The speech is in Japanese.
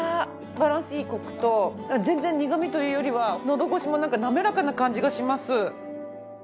バランスいいコクと全然苦みというよりはのどごしもなんかなめらかな感じがします。